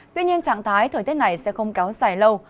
tuy nhiên trạng thái thời tiết này sẽ không kéo dài lâu